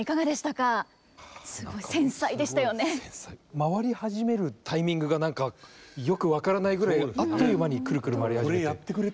回り始めるタイミングが何かよく分からないぐらいあっという間にくるくる回り始めて。